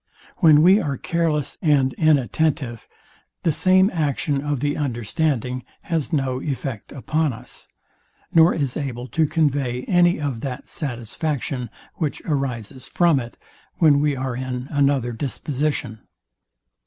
When we are careless and inattentive, the same action of the understanding has no effect upon us, nor is able to convey any of that satisfaction, which arises from it, when we are in another disposition.